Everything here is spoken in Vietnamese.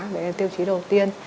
đấy là tiêu chí đầu tiên